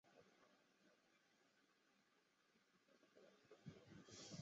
科帕纳亚农村居民点是俄罗斯联邦沃罗涅日州奥利霍瓦特卡区所属的一个农村居民点。